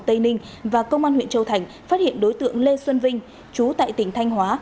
tây ninh và công an huyện châu thành phát hiện đối tượng lê xuân vinh chú tại tỉnh thanh hóa